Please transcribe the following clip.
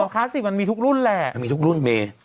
ทางออกแบบคลาสิมันมีทุกรุ่นแหล่ะ